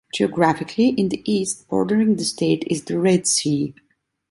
Geographically, in the east, bordering the state, is the Red Sea.